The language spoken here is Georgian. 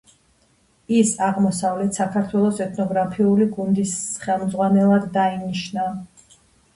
ის აღმოსავლეთ საქართველოს ეთნოგრაფიული გუნდის ხელმძღვანელად დაინიშნა.